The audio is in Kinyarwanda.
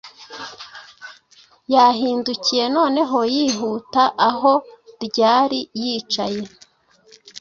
Yahindukiye noneho yihuta aho r yari yicaye